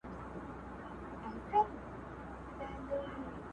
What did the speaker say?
د قلا شنې وني لمبه سوې د جهاد په اور کي٫